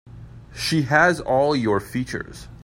She has all your features.